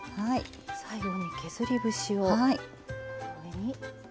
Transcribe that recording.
最後に削り節を上に。